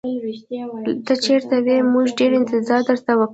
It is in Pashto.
ته چېرته وې؟ موږ ډېر انتظار درته وکړ.